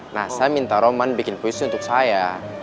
nah saya minta roman bikin puisi untuk saya